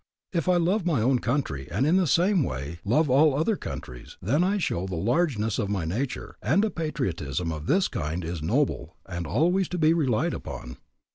If I love my own country and in the same way love all other countries, then I show the largeness of my nature, and a patriotism of this kind is noble and always to be relied upon.